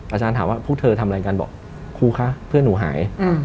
อาจารย์ถามว่าพวกเธอทำอะไรกันบอกครูคะเพื่อนหนูหาย